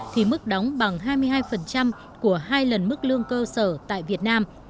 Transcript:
thì mức đóng bằng hai mươi hai của hai lần mức lương cơ sở tại việt nam